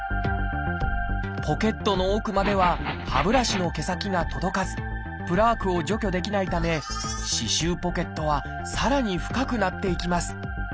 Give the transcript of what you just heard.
ポケットの奥までは歯ブラシの毛先が届かずプラークを除去できないため歯周ポケットはさらに深くなっていきます。